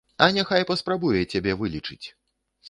А няхай паспрабуе цябе вылечыць!